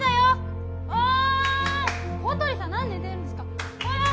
小鳥さん何寝てるんですか？